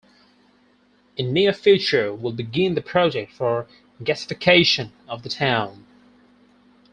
In near future will begin the project for gasification of the town.